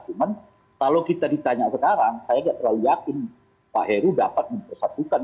cuman kalau kita ditanya sekarang saya nggak terlalu yakin pak heru dapat mempersatukan